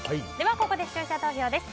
ここで視聴者投票です。